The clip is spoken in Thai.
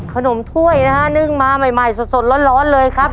ถ้วยนะฮะนึ่งมาใหม่สดร้อนเลยครับ